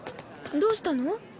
どうしたの？